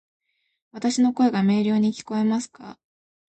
わたし（の声）が明瞭に聞こえますか？